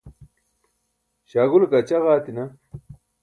śaagule kaa ćaġa aatina